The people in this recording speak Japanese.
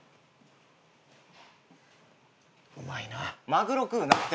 マグロ食うなって。